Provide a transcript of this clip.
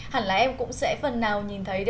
hẳn là em cũng sẽ phần nào nhìn thấy